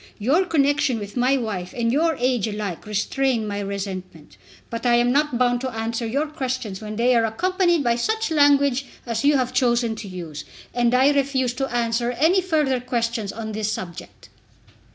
Your connection with my wife and your age alike restrain my resentment. But I am not bound to answer your questions when they are accompanied by such language as you have chosen to use, and I refuse to answer any further questions on this subject."